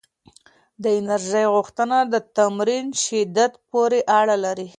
د انرژۍ غوښتنه د تمرین شدت پورې اړه لري؟